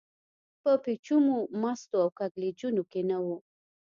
په پېچومو، مستو او کږلېچونو کې نه و.